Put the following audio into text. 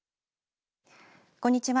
こんにちは。